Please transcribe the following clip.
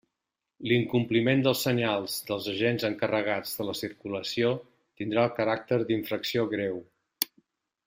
L'incompliment dels senyals dels agents encarregats de la circulació tindrà el caràcter d'infracció greu.